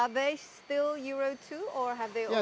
apakah masih euro dua